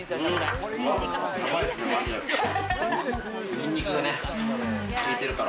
ニンニクがね、効いてるから。